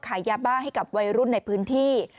ขายยาบ้าให้กับวัยรุ่นในพื้นที่